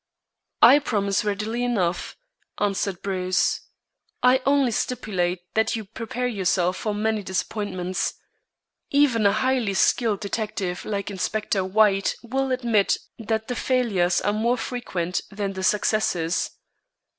"I promise readily enough," answered Bruce. "I only stipulate that you prepare yourself for many disappointments. Even a highly skilled detective like Inspector White will admit that the failures are more frequent than the successes."